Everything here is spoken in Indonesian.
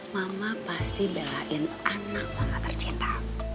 mama pasti belain anak lama tercinta